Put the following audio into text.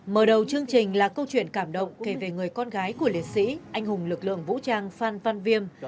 mở đầu chương trình là câu chuyện cảm động kể về người con gái của liệt sĩ anh hùng lực lượng vũ trang phan văn viêm